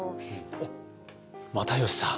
あっ又吉さん！